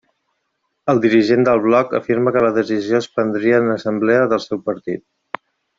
El dirigent del Bloc afirma que la decisió es prendria en l'assemblea del seu partit.